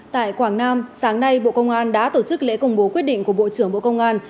tại quảng nam sáng nay bộ công an đã tổ chức lễ công bố quyết định của bộ trưởng bộ công an